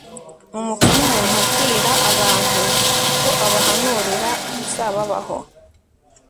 umupfumu umuntu ubwira abantu ko abahanurira ibizababaho